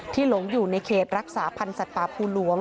หลงอยู่ในเขตรักษาพันธ์สัตว์ป่าภูหลวง